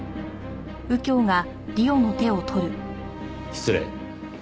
失礼。